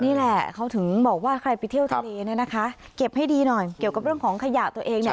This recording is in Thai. นี่แหละเขาถึงบอกว่าใครไปเที่ยวทะเลเนี่ยนะคะเก็บให้ดีหน่อยเกี่ยวกับเรื่องของขยะตัวเองเนี่ย